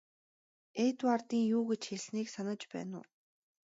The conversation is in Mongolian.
Эдвардын юу гэж хэлснийг санаж байна уу?